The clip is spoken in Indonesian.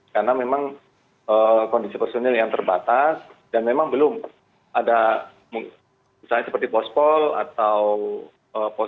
karena memang kondisi personil yang terbatas dan memang belum ada misalnya seperti pospol atau pospon